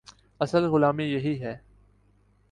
اصل غلامی یہی ہے۔